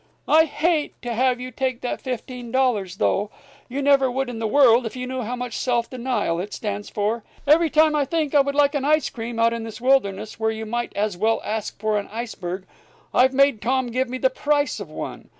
I hate to have you take that fifteen dollars, though. You never would in the world, if you knew how much self denial it stands for. Every time I think I would like an ice cream, out in this wilderness, where you might as well ask for an iceberg, I've made Tom give me the price of one.